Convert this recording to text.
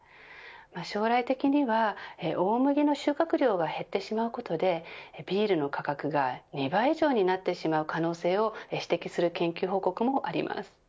将来的には、大麦の収穫量が減ってしまうことでビールの価格が２倍以上になってしまう可能性を指摘する研究報告もあります。